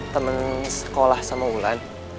temen sekolah sama wulan